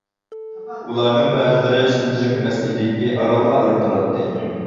ئۇلارنىڭ بەزىلىرى شۇنچىلىك مەست ئىدىكى، ئارانلا ئۆرە تۇراتتى.